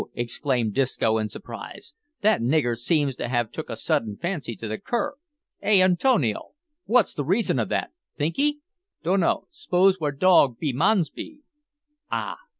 exclaimed Disco in surprise; "that nigger seems to have took a sudden fancy to the cur? Eh, Antonio, wot's the reason of that, think 'ee?" "Dunno; s'pose where dog be mans be?" "Ah!